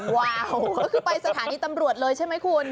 ว้าวก็คือไปสถานีตำรวจเลยใช่ไหมคุณ